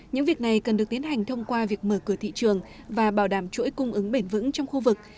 những việc này cần được tiến hành thông qua việc mở cửa thị trường và bảo đảm chuỗi cung ứng bền vững trong khu vực